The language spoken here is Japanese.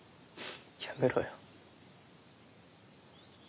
やめろよ。